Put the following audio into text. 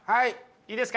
いいですか？